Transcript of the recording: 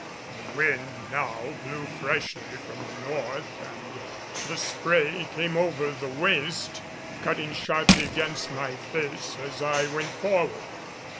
The wind now blew freshly from the north and the spray came over the waist, cutting sharply against my face as I went forward.